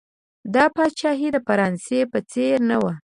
دا پاچاهي د فرانسې په څېر نه وه.